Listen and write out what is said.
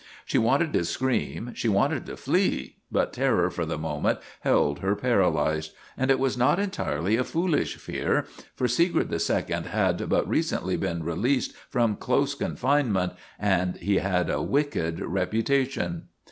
She wanted to scream, she wanted to flee, but terror for the moment held her paralyzed. And it was not entirely a foolish fear, for Siegfried II had but recently been released from close confinement and he had a wicked reputation.